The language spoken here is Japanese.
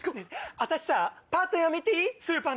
私さパート辞めていい？